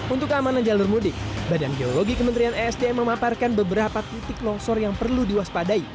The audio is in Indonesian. untuk keamanan jalur mudik badan geologi kementerian esdm memaparkan beberapa titik longsor yang perlu diwaspadai